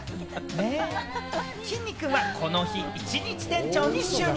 きんに君はこの日、１日店長に就任。